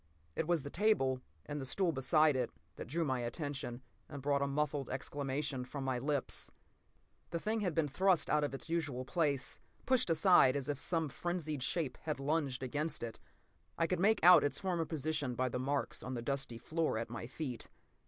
p> It was the table, and the stool beside it, that drew my attention and brought a muffled exclamation from my lips. The thing had been thrust out of itsusual place, pushed aside as if some frenzied shape had lunged against it. I could make out its former position by the marks on the dusty floor at my feet.